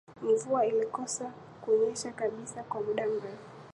Mvua ilikosa kunyesha kabisa kwa muda mrefu